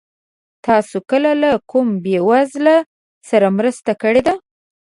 تاسو کله له کوم بېوزله سره مرسته کړې ده؟